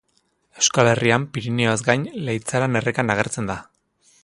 Euskal Herrian Pirinioez gain Leitzaran errekan agertzen da.